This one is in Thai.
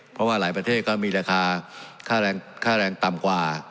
เพราะว่าหลายประเทศก็มีราคาค่าแรงต่ำกว่า